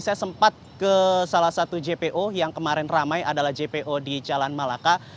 saya sempat ke salah satu jpo yang kemarin ramai adalah jpo di jalan malaka